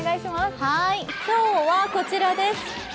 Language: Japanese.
今日はこちらです。